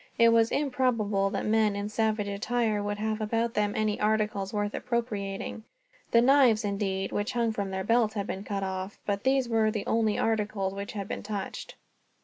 It was improbable that men in savage attire could have about them any articles worth appropriating. The knives, indeed, which hung from their belts had been cut off; but these were the only articles which had been touched.